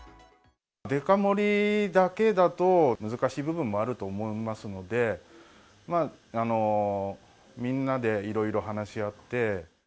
デカ盛りだけだと難しい部分もあると思いますので、みんなでいろいろ話し合って。